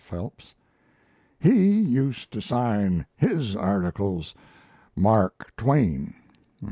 Phelps. "He used to sign his articles Mark Twain.